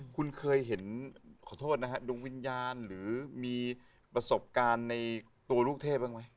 คุณเคยเห็นดวงวิญญาณหรือมีประสบการณ์ในตัวลูกเทพบ้างมั้ย